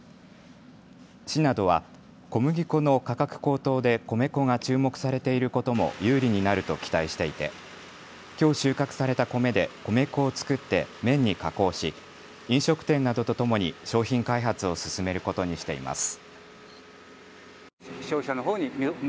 市などは小麦粉の価格高騰で米粉が注目されていることも有利になると期待していてきょう収穫された米で米粉を作って麺に加工し、飲食店などとともに商品開発を進めることにしています。